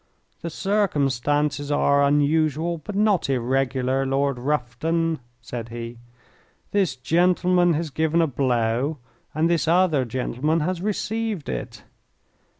"The circumstances are unusual but not irregular, Lord Rufton," said he. "This gentleman has given a blow and this other gentleman has received it.